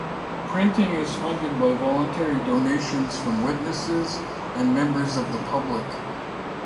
Printing is funded by voluntary donations from Witnesses and members of the public.